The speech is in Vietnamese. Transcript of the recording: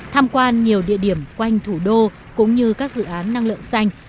tham quan nhiều địa điểm quanh thủ đô cũng như các dự án năng lượng xanh